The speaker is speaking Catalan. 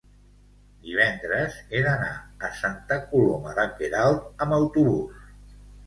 divendres he d'anar a Santa Coloma de Queralt amb autobús.